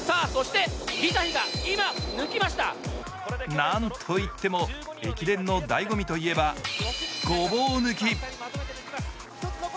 なんといっても駅伝のだいご味と言えばごぼう抜き。